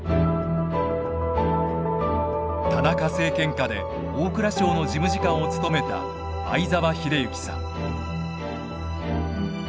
田中政権下で大蔵省の事務次官を務めた相沢英之さん。